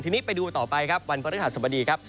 ทีนี้ไปดูต่อไปครับวันพฤหัสบดีครับ